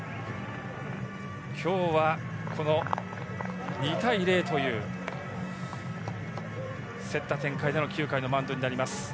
今日はこの２対０という競った展開での９回のマウンドになります。